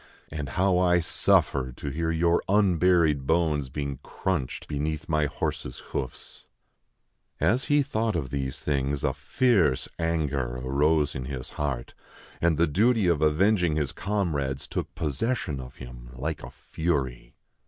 And how I suffer to hear your unburied bones being crunched beneath my horse's hoofs !" As he thought of these things, a fierce anger arose in his heart ; and the duty of avenging his comrades took possession of him, like a fury.